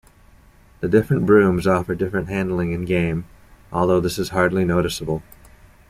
The different brooms offer different handling in-game, although this is hardly noticeable.